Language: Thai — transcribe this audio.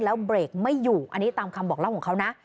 แล้วเบรกไม่อยู่อันนี้ตามคำบอกเล่าของเขานะ